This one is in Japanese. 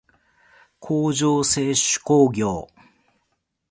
工場制手工業